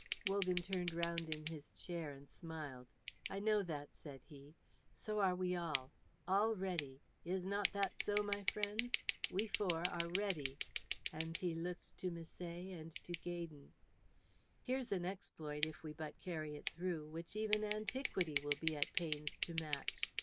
Wogan turned round in his chair and smiled. "I know that," said he. "So are we all all ready; is not that so, my friends? We four are ready." And he looked to Misset and to Gaydon. "Here's an exploit, if we but carry it through, which even antiquity will be at pains to match!